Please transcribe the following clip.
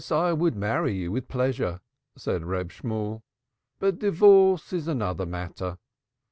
"I would marry you with pleasure," said Reb Shemuel, "but divorce is another matter.